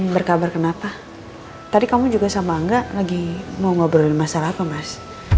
berkabar kenapa tadi kamu juga sama angga lagi mau ngobrolin masalah apa mas